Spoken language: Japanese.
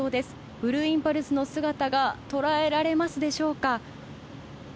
ブルーインパルスの姿が捉えられるでしょうか。